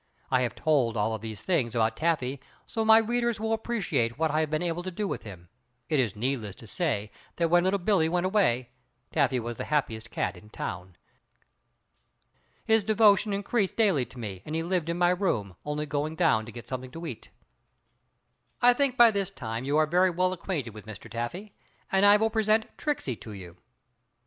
I have told all of these things about Taffy so my readers will appreciate what I have been able to do with him. It is needless to say that when Little Billie went away, Taffy was the happiest cat in town. His devotion increased daily to me and he lived in my room, only going down to get something to eat. I think by this time you are very well acquainted with Mr. Taffy, and I will present Tricksey to you.